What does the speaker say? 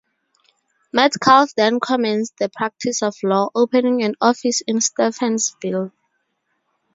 Metcalf then commenced the practice of law, opening an office in Stevensville.